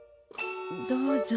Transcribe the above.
どうぞ。